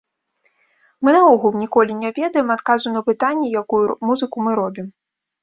Мы наогул ніколі не ведаем адказу на пытанне, якую музыку мы робім.